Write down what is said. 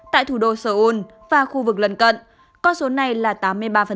tại thủ đô seoul và khu vực lần cận con số này là tám mươi ba